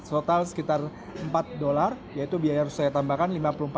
total sekitar empat dolar yaitu biaya yang harus saya tambahkan lima puluh empat delapan ratus